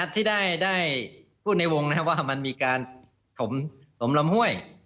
ที่ได้พูดในวงว่ามันมีการถมลำห้วย